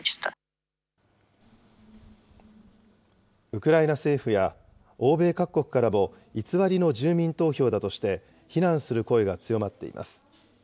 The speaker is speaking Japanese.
ウクライナ政府や欧米各国からも偽りの住民投票だとして、非難する声が強まっています。